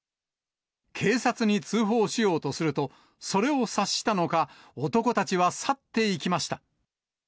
警察に通報しようとすると、それを察したのか、男たちは去っていきました。